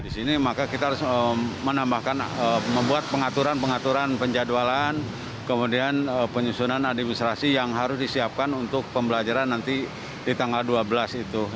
di sini maka kita harus menambahkan membuat pengaturan pengaturan penjadwalan kemudian penyusunan administrasi yang harus disiapkan untuk pembelajaran nanti di tanggal dua belas itu